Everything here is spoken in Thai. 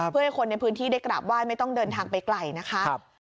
เพื่อให้คนในพื้นที่ได้กราบไหว้ไม่ต้องเดินทางไปไกลนะคะ